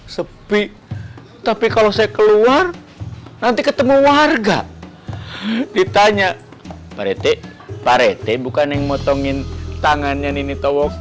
sepi tapi kalau saya keluar nanti ketemu warga ditanya pak rete pak rete bukan yang motongin tangannya nini tawaf